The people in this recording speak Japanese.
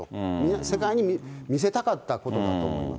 世界に見せたかったことだと思います。